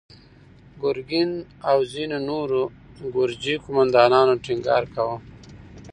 ګرګين او ځينو نورو ګرجي قوماندانانو ټينګار کاوه.